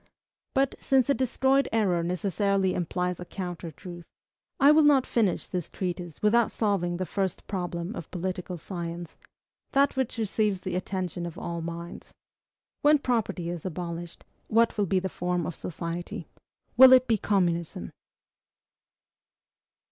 But, since a destroyed error necessarily implies a counter truth, I will not finish this treatise without solving the first problem of political science, that which receives the attention of all minds. WHEN PROPERTY IS ABOLISHED, WHAT WILL BE THE FORM OF SOCIETY! WILL IT BE COMMUNISM?